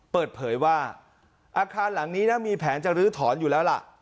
เปิดเผยว่าอาคารหลังนี้นะมีแผนจะลื้อถอนอยู่แล้วล่ะ